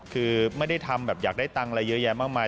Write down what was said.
คือไม่ได้ทำแบบอยากได้ตังค์อะไรเยอะแยะมากมาย